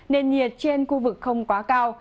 nền nhiệt trên khu vực không quá cao